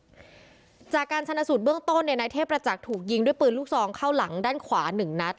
จันทรีย์มีจากการชะนศูนย์เบื้องต้นในน้ายเทพประจักษ์ถูกยิงด้วยปืนลูกทรองเข้าหลังด้านขวา๑นัท